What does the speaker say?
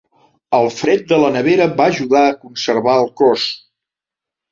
El fred de la nevera va ajudar a conservar el cos.